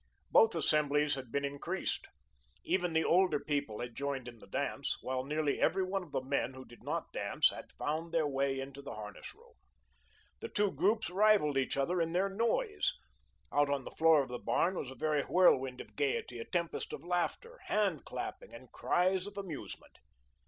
Both assemblies had been increased. Even the older people had joined in the dance, while nearly every one of the men who did not dance had found their way into the harness room. The two groups rivalled each other in their noise. Out on the floor of the barn was a very whirlwind of gayety, a tempest of laughter, hand clapping and cries of amusement.